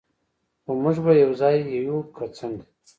خو موږ به یو ځای یو، که څنګه؟